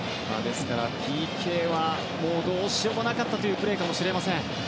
ＰＫはどうしようもなかったというプレーかもしれません。